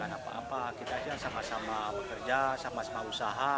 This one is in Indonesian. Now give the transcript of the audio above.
bukan apa apa kita saja yang sama sama bekerja sama sama usaha